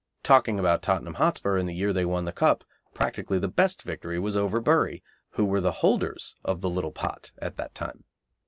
Talking about Tottenham Hotspur in the year they won the Cup, practically the best victory was over Bury, who were the holders of the "Little Pot" at that time.